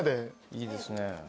いいですね。